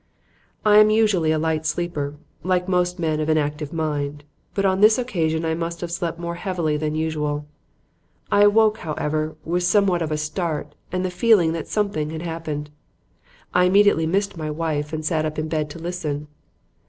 "I am usually a light sleeper, like most men of an active mind, but on this occasion I must have slept more heavily than usual. I awoke, however, with somewhat of a start and the feeling that something had happened. I immediately missed my wife and sat up in bed to listen.